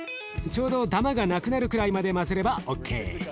ちょうどダマがなくなるくらいまで混ぜればＯＫ。